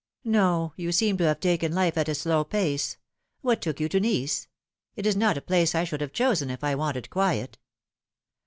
" No : you seem to have taken life at a slow pace. What took you to Nice ? It is not a place I should have chosen if I wanted quiet."